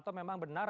atau memang benar